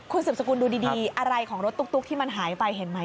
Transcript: คุณสืบสกุลดูดีอะไรของรถตุ๊กที่มันหายไปเห็นไหม